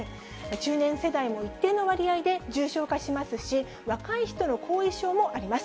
中年世代も一定の割合で重症化しますし、若い人の後遺症もあります。